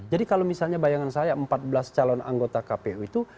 jadi kalau misalnya bayangan saya empat belas calon anggota kpu itu